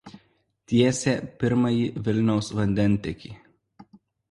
Tiesė pirmąjį Vilniaus vandentiekį.